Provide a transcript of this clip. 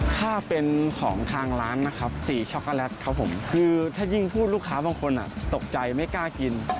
ถ้าเป็นของทางร้านนะครับสีช็อกโกแลตครับผมคือถ้ายิ่งพูดลูกค้าบางคนตกใจไม่กล้ากิน